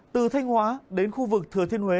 từ thanh hóa đến khu vực thừa thiên huế